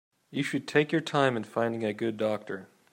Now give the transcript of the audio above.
You should take your time in finding a good doctor.